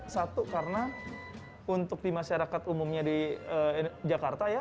satu karena untuk di masyarakat umumnya di jakarta ya